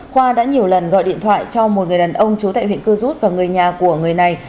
khoa đã nhiều lần gọi điện thoại cho một người đàn ông trú tại huyện cư rút và người nhà của người này